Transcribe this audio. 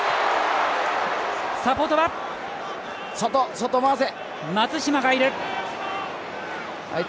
外、回せ！